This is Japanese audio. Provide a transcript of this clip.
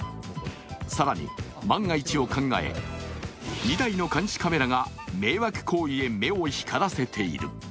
更に万が一を考え２台の監視カメラが迷惑行為へ目を光らせている。